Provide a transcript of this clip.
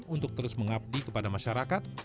untuk terus mengabdi kepada masyarakat